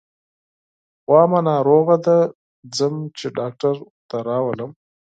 غوا مې ناروغه ده، ځم چې ډاکټر ورته راولم.